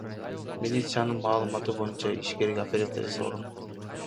Милициянын маалыматы боюнча, ишкерге операция жасалган.